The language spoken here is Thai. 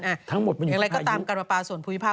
ทั้งหมดมันอยู่กับอายุอย่างไรก็ตามกันประปาส่วนภูมิภาค